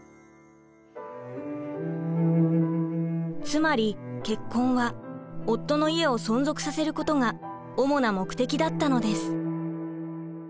つまり結婚は夫の家を存続させることが主な目的だったのです。